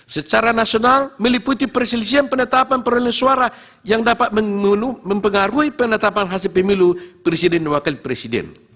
secara nasional meliputi perselisian penetapan peralihan suara yang dapat mempengaruhi penetapan hasil pemilu presiden dan wakil presiden